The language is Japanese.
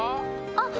あっ